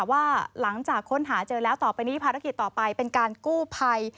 ว่าหลังจากค้นหาเจอแล้วต่อไปนี้ภารกิจต่อไปเป็นการกู้ภัย